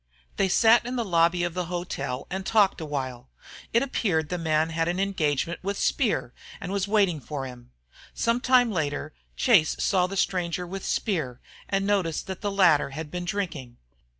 They sat in the lobby of the hotel and talked a while. It appeared the man had an engagement with Speer and was waiting for him. Some time later Chase saw the stranger with Speer and noticed that the latter had been drinking.